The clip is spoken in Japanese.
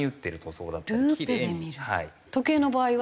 時計の場合は？